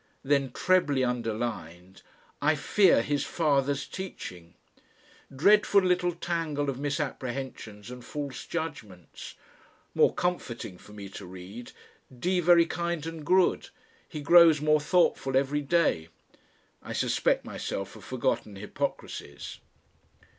Then trebly underlined: "I FEAR HIS FATHER'S TEACHING." Dreadful little tangle of misapprehensions and false judgments! More comforting for me to read, "D. very kind and good. He grows more thoughtful every day." I suspect myself of forgotten hypocrisies.